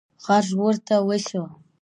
غږ ورته وشو: